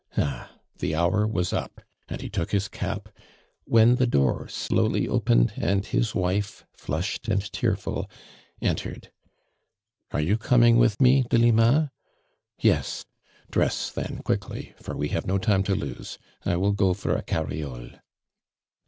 Ah, the hour was up, and he took his cap, when tho door slowly opened and his wife flushed and tearful, entered. "Are you coming with me, Delima? Yes! DresB then quickly, for we have no time to lose. I will go for a cariole."